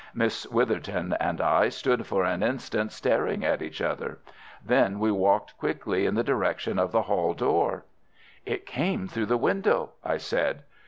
Miss Witherton and I stood for an instant staring at each other. Then we walked quickly in the direction of the hall door. "It came through the window," I said.